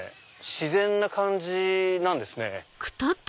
自然な感じなんですね。